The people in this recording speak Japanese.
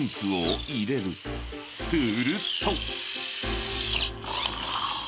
［すると］